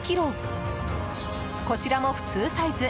こちらも普通サイズ。